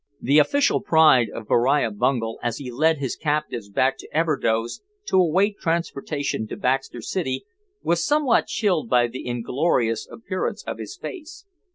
The official pride of Beriah Bungel as he led his captives back to Everdoze to await transportation to Baxter City was somewhat chilled by the inglorious appearance of his face.